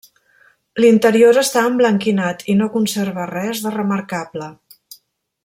L'interior està emblanquinat i no conserva res de remarcable.